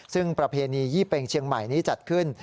ซึ่งประเพณียี่เป็งเชียงใหม่นี้จัดขึ้น